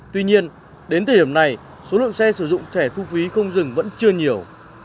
tuy nhiên đến thời điểm này số lượng xe sử dụng thẻ thu phí không dừng vẫn chưa nhiều